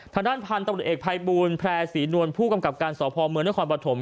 ทางด้านพันธุ์ตำรวจเอกภัยบูลแพร่ศรีนวลผู้กำกับการสพเมืองนครปฐม